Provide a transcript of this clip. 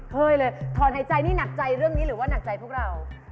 เคยเลยถอนหายใจนี่หนักใจเรื่องนี้หรือว่าหนักใจพวกเรา